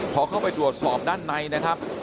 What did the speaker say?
พอเข้าไปตรวจสอบด้านในนะครับ